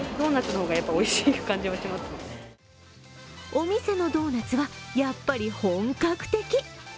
お店のドーナツはやっぱり本格的。